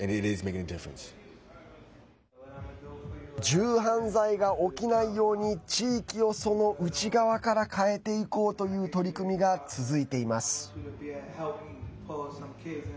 銃犯罪が起きないように地域を、その内側から変えていこうという取り組みが続いています。